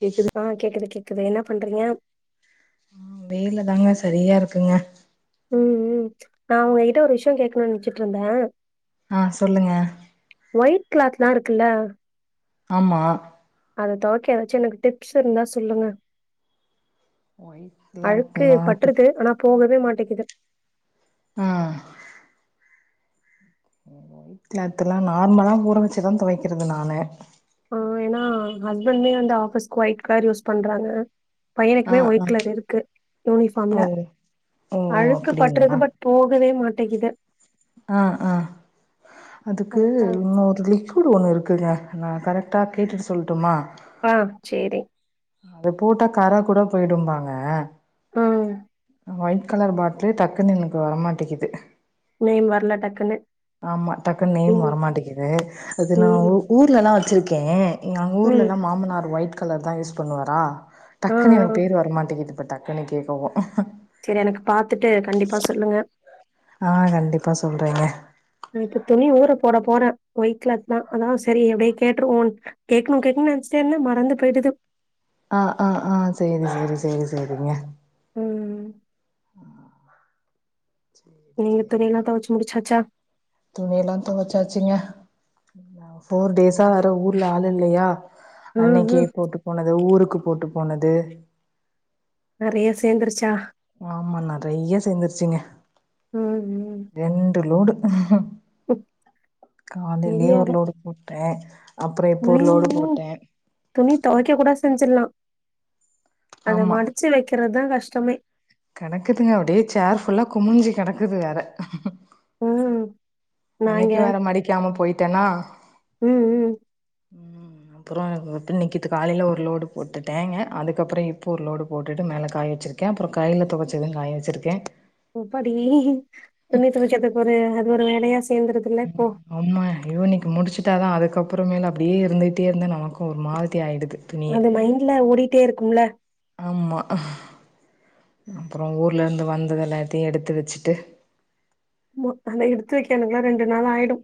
கேக்குது ஆ கேக்குது கேக்குது என்ன பண்றீங்க வேல தாங்க செரியா இருக்குங்க ம் ம் நா உங்ககிட்ட ஒரு விஷயோ கேக்கணுனு நெனச்சிட்ருந்த அ சொல்லுங்க ஒயிட் கிளாத்துலா இருக்குல்ல ஆமா அத தொவைக்க எதாச்சு எனக்கு டிப்ஸு இருந்தா சொல்லுங்க ஒயிட் கிளாத் அழுக்கு நாதி பட்ருது அனா போகவே மாட்டிக்குது ஆ [inaudible] கிளாத்துலா நார்மலா ஊற வச்சுதா தொவைக்கறது நானு ஆ எனா ஹஸ்பண்டுமே வந்து ஆஃபீஸ்க்கு ஒயிட் கலர் யூஸ் பண்றாங்க ஆ பையனுக்குமே ஆ ஒய்ட் கலர் இருக்கு ஓ யூனிஃபார்ம்ல ஓ அழுக்கு அப்டிங்களா பட்டுருது பட் போகவே மாட்டகிது அ ஆ அதுக்கு அதுதா உன்னோரு லிக் விட் ஒன்னு இருக்குங்க நா கரெக்டா கேட்டுட்டு சொல்ட்டுமா பா சேரி அது போட்டா கர கூட போயிடும்பாங்க அ ஒயிட் கலர் பாட்டுலு டக்குனு எனக்கு வர மாட்டிக்குது நேம் வரல டக்குன்னு ஆமா டக்குன்னு நேம் ம் வரமாட்டிக்குது அது நா ஊ ம் ஊர் லலா வச்சிருக்கே எங் அங்க ம் ஊர்லலா மாமனார் ஒயிட் கலர் தா யூஸ் பண்ணுவாரா ஆ டக்குன்னு ஆ எனக்கு பேரு வரமாட்டிகிது இப்ப டக்குன்னு கேட்கவு செரி எனக்கு பாத்துட்டு கண்டிப்பா சொல்லுங்க ஆ கண்டிப்பா சொல்றேங்க நா இப்ப துணி ஊர போட போற ஒயிட் கிலாத்தா அதா செரி அப்படியே கேட்டுருவோ கேக்கணு கேக்கணுன்னு நெனச்சுட்டே இருந்த மறந்து போயிடுது அ அ அ சேரி சேரி சேரி சேரிங்க ம் நீங்க துணிலா தொவச்சி முடிச்சாச்சா துணியெல்லா தொவச்சாச்சுங்க போர் டேஸ்ஸா வேற ஊர்ல ஆளு இல்லயா ம் அன்னைக்கே ம் போட்டு போனது ஊருக்கு போட்டு போனது நறைய சேந்துருச்சா? ஆமா நறையா சேந்துருச்சுங்க ம் ம் ரெண்டு லோடு ம், காலையிலயே ஒரு முடியாது லோடு போட்டே அப்புறோ இப்போ ஒரு துணி லோடு போட்டே துணி தொவைக்க கூட செஞ்சிறலா அத ஆமா மடிச்சு வைக்கிறதுதா கஷ்டமே கெடக்குதுங்க அப்டியே சோர் ஃபுல்லா குமிஞ்சி கெடக்குது வேற ம் நாங்க அன்னைக்கு வேற மடிக்காம போயிட்டேனா ம் ம் ம் அப்றோ இப்ப நிற்கிது காலையில ஒரு லோடு போட்டுட்டேங்க அதுக்கப்றோ இப்போ ஒரு லோடு போட்டுட்டு மேலே காய் வெச்சிருக் கே அப்றோ கையில் தொவச்சது காய வெச்சிருக்கே அப்பாடி துணி தொவைக்குறது ஒரு அது ஒரு வேலையா சேந்துறுதுல்ல இப்போ ஆமா ஐயோ இன்னிக்கி முடிச்சட்டா தா அதுக்கு அப்றோ மேலே அப்டியே இருந்துகிட்டே இருந்தே நமக்கும் ஒரு மாதிரிடி ஆயிடுது துணியே அது மைண்ட்ல ஓடிட்டே இருக்கும்ல ஆமா அப் ஊர்லருந்து வந்தது எல்லாத்தையு எடுத்து வெச்சுட்டு [unintelligible] எடுத்து வைக்கனுக்குல்லா ரெண்டு நாள் ஆயிடு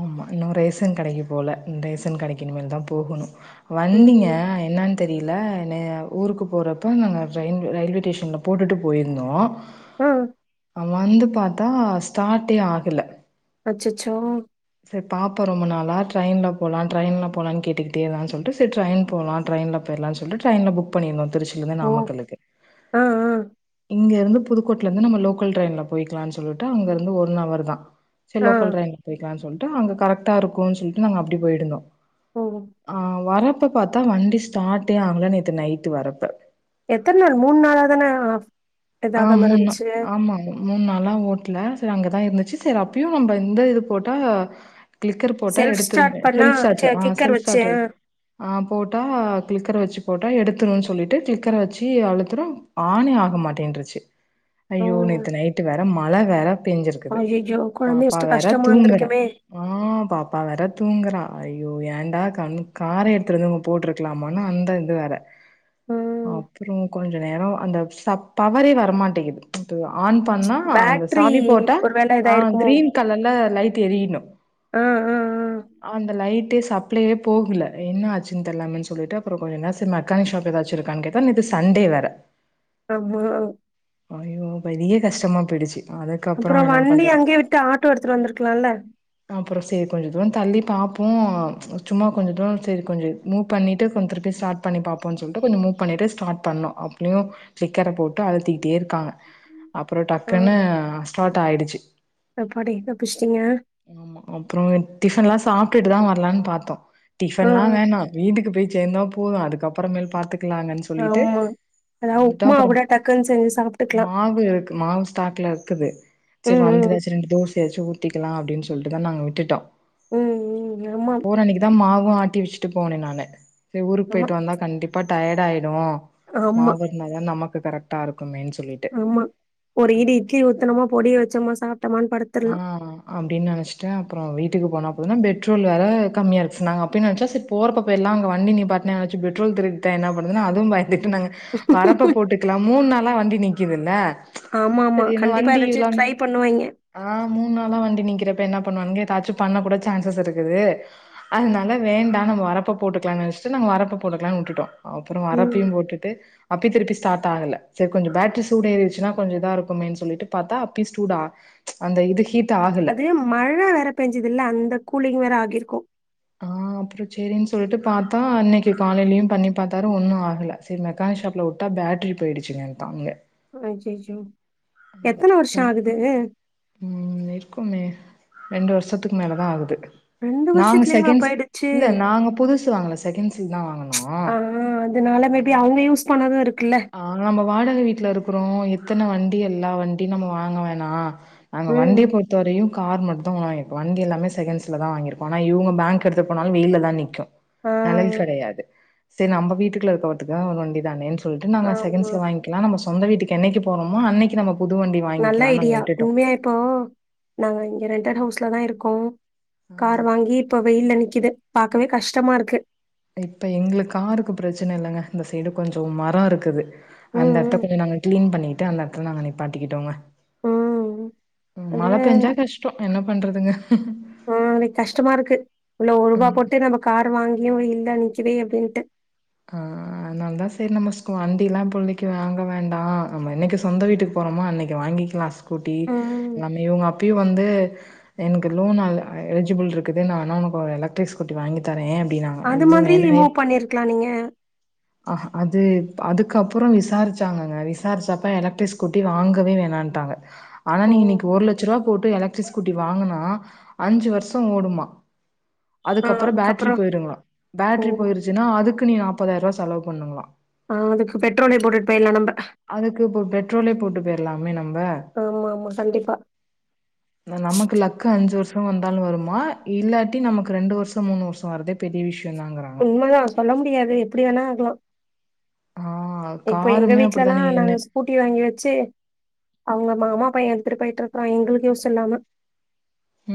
ஆமா இன்னு ரேசன் கடைக்கு போல ரேசன் கடைக்கி இனி மேல தா போகணு வந்தீங்க ம் என்னனு தெரில ஊருக்கு போறப்ப நாங்க ரயில் ரயில்வே ஸ்டேஷன்ல போட்டுட்டு போயிருந்தோ ம் வந்து பாத்தா ஸ்டாட்டே ஆகல அச்சச்சோ செரி பாப்பா ரொம்ப நாளா டிரென்லா போலா டிரென்லா போலன்னு கேட்டுக்கிட்டோ சொல்ட்டு செரி டிரெயின் போலா டிரெயில போயிறலானு சொல்லிட்டு ட்ரெயின்ல புக் பண்ணியிருந்தோ திருச்சியில இருந்து ஓ! நாமக்கலுக்கு ஆ, ஆ, இங்க இருந்து புதுக்கோட்ல இருந்து நம்ம லோக்கல் ட்ரெயின்ல போயிக்கலாம்னு சொல்லிட்டு அங்க இருந்து ஒன் அவரு தா செரி ஆ, லோக்கல் ட்ரெயின்லா போய்க்கலான்னு சொல்ட்டு அங்க கரெக்டா இருக்குனு சொல்ட்டு நாங்க அப்டி போயிருந்தோ ம் ஆ வரப்ப பாத்தா வண்டி ஸ்டார்டே ஆகல நேற்று நைட்டு வரப்ப எத்தன நாள் மூண் நாளா தான ஆ மூண் நாள் ஆமா மூண் நாளா ஓட்ல செரி அங்கதா இருந்துச்சு செரி அப்பயு நம்ம இந்த இது போட்டா கிளிக்கர் போட்டா செல்ஃப் எடுத்துரு ஸ்டார்ட் பண்ணா செல்ப் ஸ்டார்ட் சே ஆன கிக்கர் செல்ப் வச்சு ஸ்டார்ட் ஆ, ஆ போட்டா கிளிக்கர வெச்சு போட்டா எடுத்துணுன்னு சொல்லிட்டு கிளிக்கர வெச்சு அழுத்துறோ ஆனே ஆக மாட்டேன் ஓ! ஐயோ நேத்து நைட்டு வேற மழ வேற பெஞ்சிருக் ஐய்யயோ கொழந்தை வெச்சிட்டு கஷ்டமா இருந்திருக்குமே ஆ பாப்பா வேற தூங்கற ஐய்யோ ஏன்டா க கார எடுத்துனு வந்து நம்ம போட்டுருக்கலாமானு அந்த இது வேற ம். அப்றோ கொஞ்ச நேரோ அந்த சப் பவரே வரமாட்டிங்குது இந்த ஆன் பண்ணா அந்த பேட்டரி சாவி போட்ட ஒரு வேள ஆ இதாயிருக்குமோ? கிரீன் கலர்ல லைட் எரியணு ஆ, ஆ, ஆ. அந்த லைட்டே சப் ளே போகல என்ன ஆச்சு தெரியலன்னு சொல்லிட்டு கொஞ்ச நேரோ மெக்கானி ஷாப் எதாச்சு இருக்கான்னு கேட்டா நேத்து சண்டே வேற அம்மா ஐய்யோ பெரிய கஷ்டமா போயிடுச்சு அப்றோ அதுக்கப்புறம் என்ன வண்டி பண்றது? அங்கே விட்டு ஆட்டோ எடுத்துட்டு வந்திருக்கலால்ல அப்றோ செரி கொஞ்ச தூரோ தள்ளி பாப்போ சும்மா கொஞ்ச தூரோ சேரி கொஞ்ச மூ பண்ணிட்டு கொஞ்சோ திரிப்பி ஸ்டார்ட் பண்ணி பாப்போ சொல்லி கொஞ்சோ மூ பண்ணிட்டு ஸ்டார்ட் பண்ணோ அப்டியு கிளிக்கர போட்டு அழுத்திட்டே இருக்காங்க அப்றோ டக்குன்னு ம். ஸ்டார்ட் ஆயிடுச்சு அப்பாடி! தப்பிச்சிட்டீங்க. ஆமா அப்றோ டிஃபன் எல்லா சாப்ட்டுட்டுதா வரலான்னு பாத்தோ ஆ, டிஃபன் எல்லா வேணா வீட்டுக்கு போய் சேர்ந்தா போது அதுக்கப்புறமேல் பாத்துக்கலாங்கன்னு சொல்லிட்டு ஆமா எதாவது வந்துட்டோ உப்புமா அப்புறம் கூட டக்குன்னு செஞ்சு சாப்பு மாவு இருக்கு மாவு ஸ்டாக்ல இருக்குது சரி ம், வந்து ம். எதாச்சு ரெண்டு தோசையாச்சு ஊத் ஊத்திகலா அப்படின்னு சொல்லிட்டு தா நாங்க விட்டுட்டோ ம், ம். ஆமா, போரன்னி தா மாவு ஆட்டி வச்சுட்டு போனே நானு செரி ஊருக்கு ஆமா, போயிட்டு வந்தா கண்டிப்பா டயார்ட் ஆயிடு ஆமா. மாவு இருதா நமக்கு கரெக்டா இருக்குமே ஆமா ஒரு ஈடு இட்லி ஊத்தனமா பொடிய வச்சோமா சாப்பிட்டமான்னு படுத்திடலா அப்படின் நெனச்சிட்டு அப்புறோ வீட்டுக்கு போன போது பெட்ரோல் அதாவது கம்மியாருக்கு சொன்னாங்க அப்பியு நெனச்ச செரி போரப் பக்கல்லா அங்க வண்டி நிப்பாட்னா யாராச்சு பெட்ரோல் திருடிட்ட என்ன பண்ணது அதுவு பயந்துட்டு நாங்க வரப்ப போட்டுக்கலா மூணு நாளா வண்டி நிக்குதுல்லே ஆமா ஆமா கண்டிப்பா ஏதாச்சு ட்ரை பண்ணுவிங்க ஆ மூணு நாளா வண்டி நீக்கிறப்ப என்ன பண்ணுவானுங்க ஏதாச்சு பண்ண கூட சான்சஸ் இருக்குது அதனால வேண்டா நம்ம வரப்ப போட்டுக்கலான்னு நெனச்சிட்டு நாங்க வரப்ப போட்டுக்கலானு விட்டுட்டோ அப்புறோ ம் வரப்பையு போட்டுட்டு அப்பி திருப்பி ஸ்டார்ட் ஆகல செரி கொஞ்சு பேட்ரி சூடு ஏறிடுச்சுன்னா கொஞ்சு இதா இருக்குமேனு சொல்லிட்டு பாத்தா அப்பியு ஸூடா அந்த இது ஈட்டு ஆக மழை வேற பெஞ்சது இல்ல அந்த கூலிங் வேற ஆகிருக்கு ஆ அப்புறோ செரின்னு சொல்லிட்டு பாத்தா அன்னைக்கு காலையிலையு பண்ணி பாத்தாரு ஒன்னு ஆகல செரி மெக்கானிக் ஷாப்பில்ல விட்டா பேட்ரி போயிடுச்சுங்க டான்ங்க அய்யையோ எத்தன வருஷோ ஆகுது ம் இருக்குமே ரெண்டு வருஷத்துக்கு மேலே தா ஆகுது ரெண்டு நாங்க வருஷத்துலயேவா செகண்ட்ஸ் போயிடுச்சு இல்ல நாங்க புதுசு வாங்கல செகண்ட்ஸ்க்கு தா வாங்கனு ஆ அதனால மேபி அவங்க யூஸ் பண்ணதும் இருக்குல்ல ஆ நம்ம வாடகை வீட்டுல இருக்கறோம் எத்தன வண்டி எல்லா வண்டி நம்ம வாங்க வேணா அங்க வண்டிய ம் பொறுத்த வரையு கார் மட்டுதா வாங்கிருக்கோ வண்டி எல்லாமே செகண்ட்ல தா வாங்கிருக்கோ ஆனா இவங்க பேங்க் எடுத்து போனாலு வெயில தா நிக்கு ஆ நெழல் கெடையாது செரி நம்ம வீட்டுக்குள்ள இருக்கவத்துக்தான ஒரு வண்டி தானே நாங்க ஆமா செகண்ட்ஸ்ல வாங்கிக்கலா நம்ம சொந்த வீட்டுக்கு என்னைக்கு போறோமோ அன்னைக்கு நம் புதுவண்டி நல்ல வாங்கிக்கலானு நாங்க ஐடியா விட்டுட்டோம் உண்மையா இப்போ நாங்க இங்க ரெண்டடு ஹவுஸ்லதா இருக்கோ ஆ கார் வாங்கி இப்போ வெயில் நிக்குது பாக்கவே கஷ்டமா இருக்கு இப்போ எங்களுக்கு காருக்கு பிரச்சனை இல்லைங்க இந்த சைடு கொஞ்சு மரோ இருக்குது அந்த எடத்த ம் ம் கொஞ்சு நாங்க கிளீன் பண்ணிட்டு அந்த எடத்துல நாங்க நீப்பாட்டிக்கிட்டோங்க ம் மழ அது பெஞ்சா கஷ்டோ என்ன பண்றதுங்க ஆ னக்கு கஷ்டமா இருக்கு இவ்வளா ரூபா ம். போட்டு நம்ம கார் வாங்கியு வெயில்லே நிக்குது அப்படின்ட்டு ஆ அதனால தா செரி நம்ம ஸ்கூ வண்டியெலா இப்போதைக்கு வாங்க வேண்டா நம்ம என்னைக்கு சொந்த வீட்டுக்கு போறோமோ அன்னைக்கு வாங்கிக்கலா ஸ் ஸ்கூட்டி ம் எல்லாமே இவங்க அப்பயு வந்து எனக்கு லோன் அல் எலஜிபுள் இருக்குது நா வேணா உனக்கு ஒரு எலக்டிரிக் ஸ்கூட்டி வாங்கி தரே அப்படின்னா அது மாதிரி மூவ் பண்ணிருக்கலா நீங்க ஆ ஆ அது அதுக்கப்றோ விசாரிச்சாங்கங்க விசாரிச்சாப்ப எலக்ட்ரிக் ஸ்கூட்டி வாங்கவே வேணா டாங்க ஆனா ஓ நீ இன்னிக்கு ஒரு லட்ச ரூபா போட்டு எலக்ட்ரிக் ஸ்கூட்டி வாங்கனா அஞ்சு வருஷோ ஓடுமா ஆ அதுக்கப்றோ பேட்டரி அதுக்கப்புறம் போயிருங்களா ஓ பேட்டரி போயிருச்சுனா அதுக்கு நீ நாப்பதாயிரோ ரூபா செலவு பண்ணணுங்களா ஆ அதுக்கு பெட்ரோலே போட்டுட்டு போயிறலா நம்ம அதுக்கு இப்ப பெட்ரோலே போட்டு போயிடலாமே நம்ம ஆமா ஆமா கண்டிப்பா நமக்கு லக்கு அஞ்சு வருஷோ வந்தாலு வருமா இல்லாட்டி நமக்கு ரெண்டு வருஷோ மூணு வருஷோ வரதே பெரிய விஷயோ தாங்கிறா உண்மதா சொல்ல முடியாது எப்டி வேணா ஆகலா ஆ இப்போ எங்க காருமே வீட்ல அப்டிதா லா நீங்க என்ன நாங்க ஸ் கூட்டி வாங்கி வச்சு அவுங்க மாமா பைய எடுத்துட்டு போயிட்டு இருக்கறா எங்களுக்கு யூஸ் இல்லாம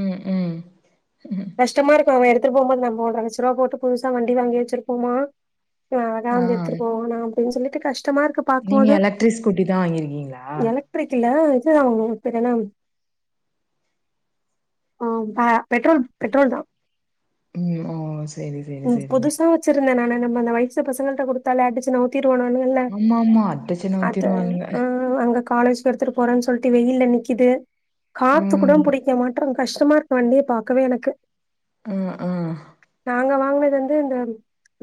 ம் ம் கஷ்டமா இருக்கு அவ எடுத்துட்டு போகபோது நம்ம ஒன்ர லச்ச ரூவா போட்டு புதுசா வண்டி வாங்கி வச்சிருப்போமா இவ அதா ஆ வந்து எடுத்துட்டு போவானா அப்டின்னு சொல்லிட்டு கஷ்டமா இருக்கு நீங்க பாக்கும்போது எலக்ட்ரிக் ஸ்கூட்டி தா வாங்கிருக்கீங்களா ட்ரிக் இல்ல இது தா வாங்னோ பேர் என்ன ஆ ப பெட்ரோல் பெட்ரோல் தா ம் ஓ சேரி சேரி சேரிங்க ச்சுருந்தே நானு நம்ம அந்த வயசு பசங்கள்ட்ட குடுத்தாலே ஆடுச்சி நவத்தீருவானுனு ல்ல ஆமாமா அட்டச்சன அத ஊத்திருவானுங்க ஆ அங்க காலேஜ் எடுத்துட்டு போறேன்னு சொல்லிட்டு வெயில் ல நிக்கிது காத்து ம் கூட பிடிக்க மாட்றங் கஷ்டமா இருக்கு வண்டிய பாக்கவே எனக்கு ம் ம் நாங்க வாங்கினது வந்து இந்த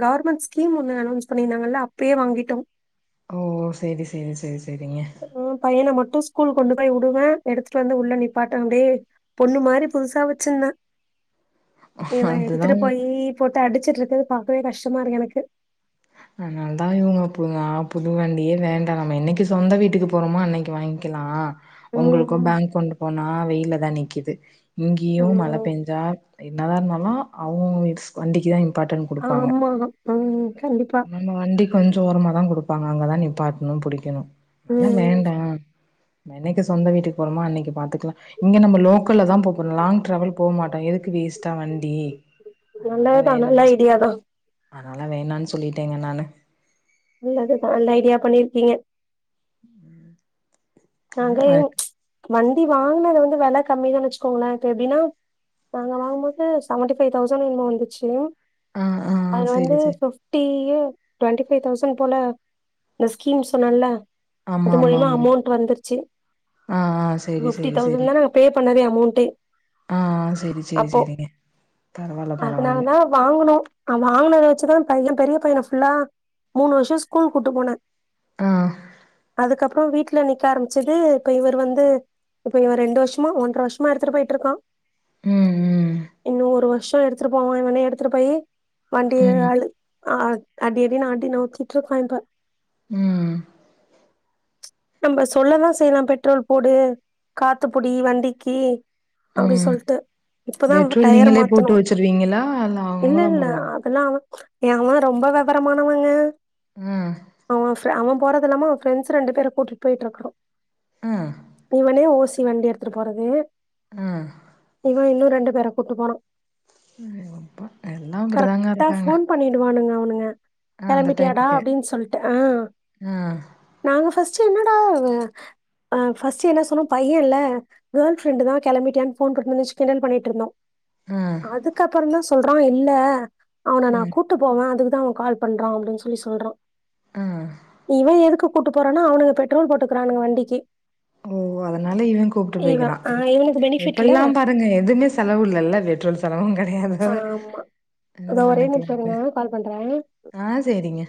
கவர்மெண்ட் ஸ்கீம் ஒன்னு அனோன்ஸ் பண்ணியிருந்தாங்கல்ல அப்பயே வாங்கிட்டோ ஓ சேரி சேரி சேரி சேரிங்க ம் பையன மட்டு ஸ்கூல் கொண்டு போய் உடுவ எடுத்துட்டு வந்து உள்ள நீப்பாட்ட அப்டியே பொண்ணு மாரி புதுசா வச்சிருந்த இவ எடுத்துட்டு அதுதா போயி போட்டு அடிச்சுட்டு இருக்குறது பாக்கவே கஷ்டமா இருக்கு எனக்கு அதனால தா இவங்க புது அ புது வண்டியே வேண்டா நம்ம என்னைக்கு சொந்த வீட்டுக்கு போறோமோ அன்னைக்கு வாங்கிக்கலா ம் உங்களுக்கு ம் பேங்க் கொண்டு போனா வெயில தா நிக்குது இங்கேயு மல ஐயோ பெஞ்சா என்னதா இருந்தாலு அவுங்க ஸ் வண்டிக்கு தா இம்பார்ட்டண்ட் ஆமா ம் கண்டிப்பா நம்ம வண்டி கொஞ்சோ ஓரமா தா குடுப்பாங்க அங்க தா நீப்பாட்னு புடிக்கனு அதலா ம் வேண்டா என்னைக்கு சொந்த வீட்டுக்கு போறோமா அன்னிக்கு பாத்துக்கலா இங்க நம்ம லோக்கல்ல தா போபோரோ லாங் டிராவல் போ மாட்டோ எதுக்கு வேஸ்ட்டா வண்டி அதனால நல்லதுதா நல்ல வேணானு சொ ஐடியாதா அதனால வேணான்னு சொல்லிட்டேங்க நானு ல்லது தா நல்ல ஐடியா பண்ணிருக்கீங்க நாங்கயே அ வண்டி வாங்கினது வந்து வெல கம்மிதானு வச்சுக்கோங்களே இப்ப எப்டின்னா நாங்க வாங்கும்போது செவன்டி பைவ் தௌசண்ட் என்மோ வந்துச்சு ஆ ஆ அதுல வந்து செரி செரி fifty twenty five thousand போல இந்த ஸ்கீம் சொன்னல்ல ஆமா அது ஆமா மூலிமா ஆமா அமௌண்ட் வந்துருச்சு ஆ ஆ செரி பிஃப்டி செரி செரி தௌசண்ட் தான ப்ப பே பண்ணதே அமௌண்ட் ஏ ஆ சேரி சேரி சேரிங்க பரவாயில்ல பரவாயில்ல வாங்குணோ அ வாங்கினத வச்சுதா பைய பெரிய பையன ஃபுல்லா மூணு வருஷோ ஸ்கூல் கூட்டு போன ஆ அதுக்கப்றோ வீட்ல நி க ஆரம்பச்சது இப்ப இவர் வந்து இப்ப இவ ரெண்டு வருஷமா ஒன்ற வருஷமா எடுத்துட்டு போயிட்டு இருக்கா ம் ம் இன்னு ஒரு வருஷோ எடுத்துட்டு போவா இவனே எடுத்துட்டு போயி வண்டி ம் ஆளு அ அடி அடி னு அடி நவ்திட்டு இருக்கா இப்ப ம் நம்ப சொல்லலா செய்லாம் பெட்ரோல் போடு காத்துபுடி வண்டிக்கீ அப்டி ம் சொல்ட்டு இப்பதா அவ பெட்ரோல் டயர்ர நீங்களே போட்டு மாத்துணோ வச்சிருவீங்களா இல்ல அவங்கதா இல்ல போடுவாங்க அதெல்லா அவே ஏ அம்மா ரொம்ப வெவரமானவங்க ம் அவே ஃப்ர அவே போறது இல்லாம அவே ஃப்ரண்ட்ஸு ரெண்டு பேர கூட்டிட்டு போய்ட்டு இருக்கா ஆ இவனே ஓசி வண்டி எடுத்துட்டு போறது ஆ இவே இன்னு ரெண்டு பேர கூட்டு போனா அடேங்கப்பா எல்லா அப்டிதாங்க கரெக்டா இருக்காங்க ஃபோன் பண்ணிடுவானுங்க அவனுங்க ஆ அந்த கெளம்பிட்டியாடா டைம்க்கு அப்டின்னு சொல்ட்டு ஆ ஆ நாங்க ஃபர்ஸ்ட் என்னடா இவே ஆ ஃபர்ஸ்ட் என்ன சொன்னா பையேல்ல கேள் ஃப்ரெண்டு தா கெளம்பிட்டியான்னு ஃபோன் பண்ணுது நெனச்சி கிண்டல் பண்ணிட்டுருந்தோ ஆ அதுக்கப்பறந்தா சொல்றா இல்ல அவன ஆ நா கூட்டு போவே அதுக்குதா அவே கால் பண்றா அப்டின்னு சொல்லி சொல்றா ஆ இவே எதுக்கு கூட்டு போறா ன்னா அவனுங்க பெட்ரோல் போட்டுக்குறானுங்க வண்டிக்கி ஓ அதனால இவே கூப்ட்டு போய்க்கிறா பெனிஃபிட்ல எப்டில்லா பாருங்க எதுவுமே செலவு இல்லல்ல பெட்ரோல் செலவு கெடையாது ஆமா இது இதோ ஒரே நிமிஷோ பண்ணிக்கலால்ல இருங்க கால் பண்றே ஆ சேரிங்க